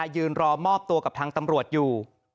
ยืนรอมอบตัวกับทางตำรวจอยู่